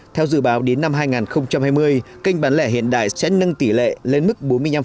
theo dự báo đến năm hai nghìn hai mươi kênh bán lẻ hiện đại sẽ nâng tỷ lệ lên mức bốn mươi năm